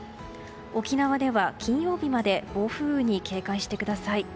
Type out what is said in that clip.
沖縄では、金曜日まで暴風雨に警戒してください。